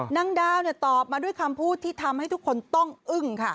นางดาวตอบมาด้วยคำพูดที่ทำให้ทุกคนต้องอึ้งค่ะ